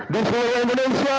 di seluruh indonesia